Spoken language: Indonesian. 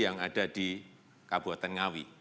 yang ada di kabupaten ngawi